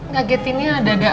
ngagetinnya dada aja sih